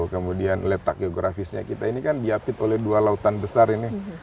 kemudian letak geografisnya kita ini kan diapit oleh dua lautan besar ini